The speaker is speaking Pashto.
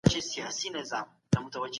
سرلوړي یوازي په اتحاد کي موندل کېږي.